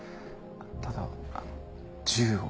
ただ銃を。